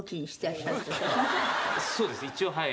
そうです一応はい。